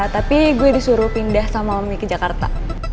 tapi gue disuruh pindah sama miki jakarta